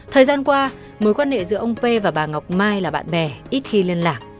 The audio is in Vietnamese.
thời gian qua mối quan hệ giữa ông p và bà ngọc mai là bạn bè ít khi liên lạc